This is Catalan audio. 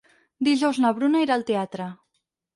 Dijous na Bruna irà al teatre.